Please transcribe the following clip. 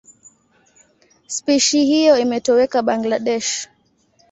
Spishi hiyo imetoweka Bangladesh.